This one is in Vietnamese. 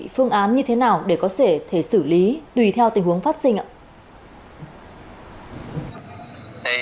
phương án như thế nào để có thể xử lý tùy theo tình huống phát sinh ạ